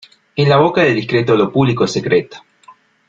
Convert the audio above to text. En la boca del discreto lo público es secreto.